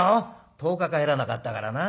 １０日帰らなかったからな。